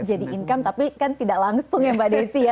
jadi income tapi kan tidak langsung ya mbak desy ya